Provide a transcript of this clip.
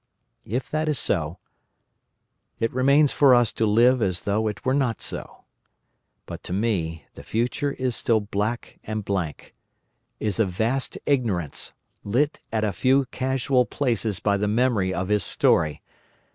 If that is so, it remains for us to live as though it were not so. But to me the future is still black and blank—is a vast ignorance, lit at a few casual places by the memory of his story.